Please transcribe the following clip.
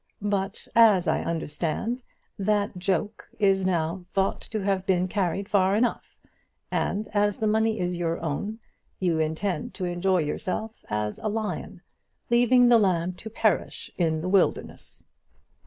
But, as I understand, that joke is now thought to have been carried far enough; and as the money is your own, you intend to enjoy yourself as a lion, leaving the lamb to perish in the wilderness.